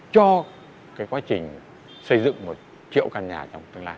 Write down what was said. cho quá trình xây dựng một triệu căn nhà trong tương lai